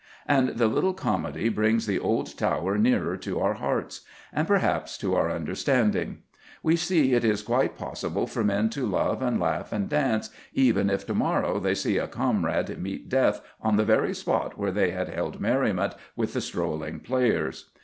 And the little comedy brings the old Tower nearer to our hearts, and, perhaps, to our understanding. We see it is quite possible for men to love and laugh and dance even if to morrow they see a comrade meet death on the very spot where they had held merriment with the strolling players.